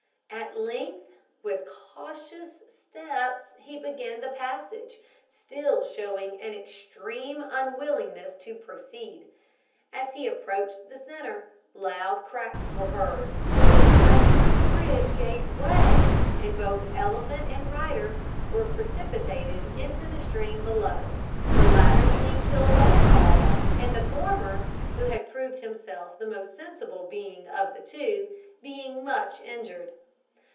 At length, with cautious steps he began the passage, still showing an extreme unwillingness to proceed. As he approached the centre, loud cracks were heard, when the treacherous bridge gave way, and both elephant and rider were precipitated into the stream below; the latter being killed by the fall, and the former, who had proved himself the most sensible being of the two, being much injured.